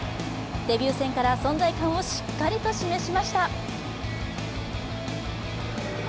デビュー戦から存在感をしっかりと示しました。